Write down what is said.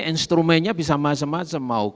instrumennya bisa macam macam